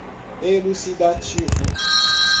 elucidativo